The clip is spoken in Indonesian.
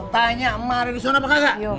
tanya emak ada di sana apa enggak